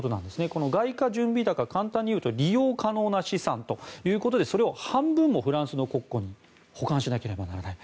この外貨準備高、簡単に言うと利用可能な資産ということでそれを半分もフランスの国庫に保管しなければならない。